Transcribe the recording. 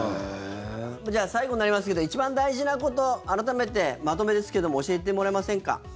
じゃあ最後になりますけど一番大事なこと改めて、まとめですけども教えてもらえませんか。